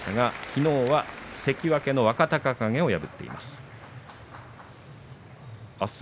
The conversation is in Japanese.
きのうは関脇の若隆景を破っています。